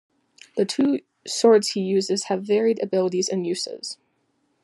The two swords he uses have varied abilities and uses.